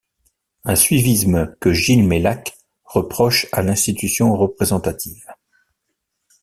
Un suivisme que Ghiles-Meilhac reproche à l'institution représentative.